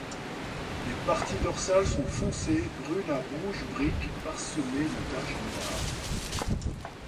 Les parties dorsales sont foncées, brunes à rouge brique parsemées de tâches noires.